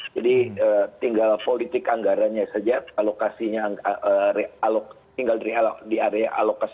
jadi tinggal politik anggarannya saja alokasinya tinggal di area alokasi